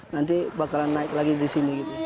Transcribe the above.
nanti bakalan naik lagi di sini